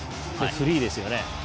フリーですよね。